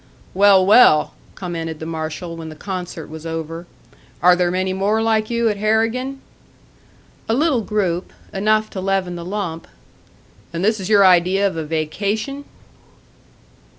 "Well, well!" commented the marshal, when the concert was over. "Are there many more like you at Harrigan?" "A little group enough to leaven the lump." "And this is your idea of a vacation?"